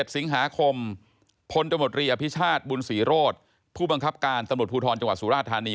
๑สิงหาคมพลตมตรีอภิชาติบุญศรีโรธผู้บังคับการตำรวจภูทรจังหวัดสุราธานี